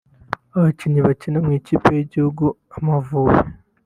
Abakinnyi bakinnye mw’ikipe y’igihugu « Amavubi »